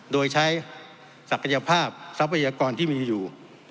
โดยใช้ศักยภาพทรัพยากรที่มีอยู่